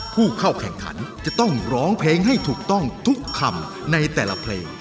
ผู้เข้าแข่งขันจะต้องร้องเพลงให้ถูกต้องทุกคำในแต่ละเพลง